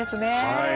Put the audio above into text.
はい。